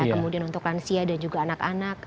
kemudian untuk lansia dan juga anak anak